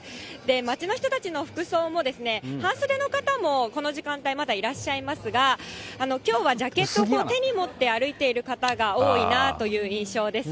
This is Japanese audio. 街の人たちの服装もですね、半袖の方もこの時間帯、まだいらっしゃいますが、きょうはジャケットを手に持って歩いている方が多いなという印象です。